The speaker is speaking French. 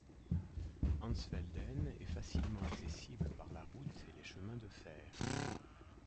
Ansfelden est facilement accessible par la route et les chemins de fer.